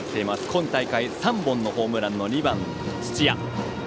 今大会３本のホームランの２番、土屋。